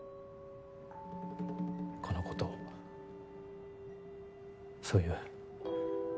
このことをそういう。